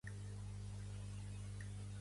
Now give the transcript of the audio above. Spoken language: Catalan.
Ser de la Unió Europea no és innocu.